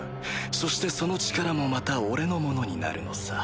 そしてその力もまた俺のものになるのさ。